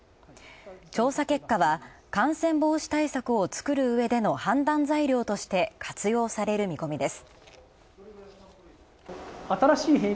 調査結果は感染防止対策を作るうえでの判断材料として活用される見込みです。